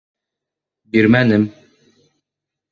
— Бирмәнем.